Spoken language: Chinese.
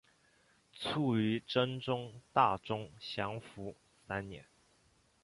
卒于真宗大中祥符三年。